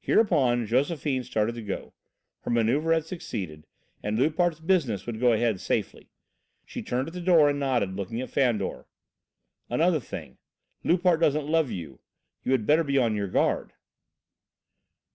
Hereupon, Josephine started to go. Her manoeuvre had succeeded, and Loupart's business would go ahead safely. She turned at the door and nodded, looking at Fandor. "Another thing; Loupart doesn't love you; you had better be on your guard."